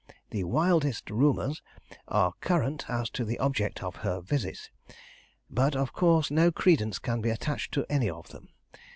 "The wildest rumours are current as to the object of her visit, but of course no credence can be attached to any of them.